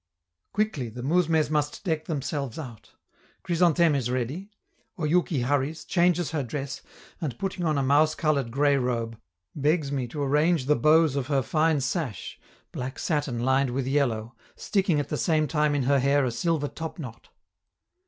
Quickly the mousmes must deck themselves out. Chrysantheme is ready; Oyouki hurries, changes her dress, and, putting on a mouse colored gray robe, begs me to arrange the bows of her fine sash black satin lined with yellow sticking at the same time in her hair a silver topknot.